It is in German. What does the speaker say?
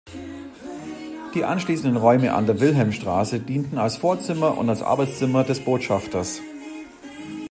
Die anschließenden Räume an der Wilhelmstraße dienten als Vorzimmer und als Arbeitszimmer des Botschafters.